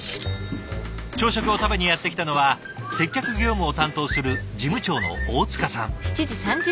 朝食を食べにやって来たのは接客業務を担当する事務長の大塚さん。